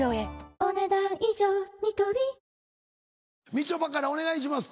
みちょぱからお願いします。